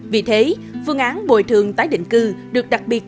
vì thế phương án bồi thường tái định cư được đặc biệt